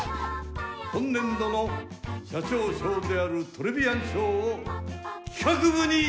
今年度の社長賞であるトレビアン賞を企画部に授与します。